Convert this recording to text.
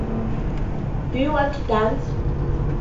Do you want to dance?